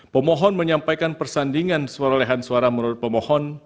pemohon menyampaikan persandingan suarahan suara menurut pemohon